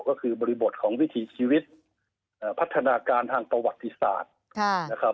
ก็คือบริบทของวิถีชีวิตพัฒนาการทางประวัติศาสตร์นะครับ